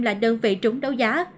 là đơn vị trúng đấu giá